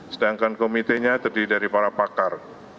sedangkan komitenya terdiri dari para pakar